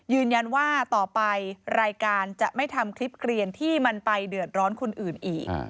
ยืนยันว่าต่อไปรายการจะไม่ทำคลิปเกลียนที่มันไปเดือดร้อนคนอื่นอีก